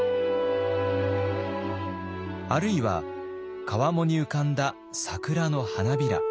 あるいは川面に浮かんだ桜の花びら。